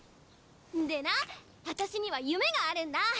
でなあたしには夢があるんだ！